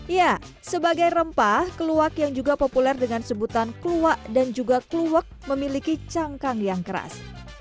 ya sebagai rempah keluak yang juga populer dengan sebutan kluwak dan juga kluwak memiliki cangkang yang keras